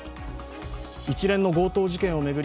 一連の強盗事件を巡り